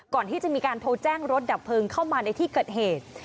ก่อนที่จะมีการโทรแจ้งรถดับเพลิงเข้ามาในที่เกิดเหตุ